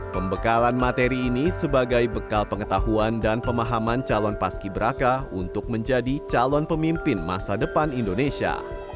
pembekalan materi ini sebagai bekal pengetahuan dan pemahaman calon paski beraka untuk menjadi calon pemimpin masa depan indonesia